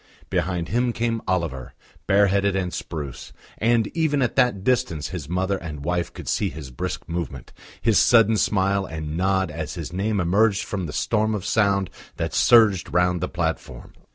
Behind him came Oliver, bareheaded and spruce, and even at that distance his mother and wife could see his brisk movement, his sudden smile and nod as his name emerged from the storm of sound that surged round the platform.